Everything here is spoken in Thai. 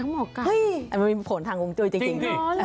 เห้ยมันมีผลทางกูโจจิจริง